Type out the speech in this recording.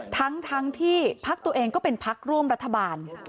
ทั้งที่พักตัวเองก็เป็นพักร่วมรัฐบาล